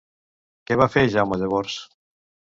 Què va fer Jaume llavors?